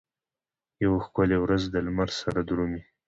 یوه ښکلې ورځ دلمره سره درومي